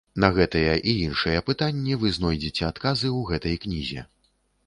На гэтыя і іншыя пытанні вы знойдзеце адказы ў гэтай кнізе.